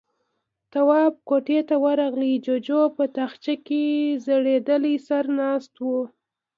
تواب کوټې ته ورغی، جُوجُو په تاخچه کې ځړېدلی سر ناست و.